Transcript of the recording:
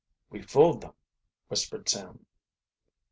"We've fooled them," whispered Sam.